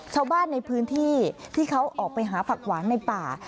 ชาวบ้านในพื้นที่ที่เขาออกไปหาผักหวานในป่า